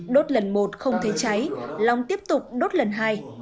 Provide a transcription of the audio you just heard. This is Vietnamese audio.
đốt lần một không thấy cháy long tiếp tục đốt lần hai